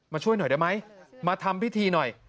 ช่วยหน่อยได้ไหมมาทำพิธีหน่อย